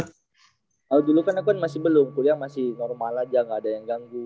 kalau dulu kan aku masih belum kuliah masih normal aja nggak ada yang ganggu